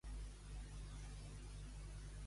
A quina mitologia pertany Pales?